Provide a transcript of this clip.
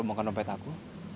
bongkar dompet aku